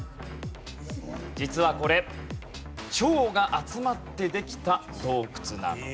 実はこれ蝶が集まってできた洞窟なんです。